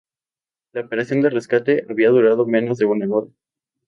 La operación de rescate había durado menos de una hora.